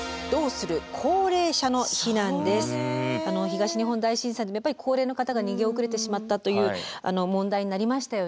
東日本大震災でも高齢の方が逃げ遅れてしまったという問題になりましたよね。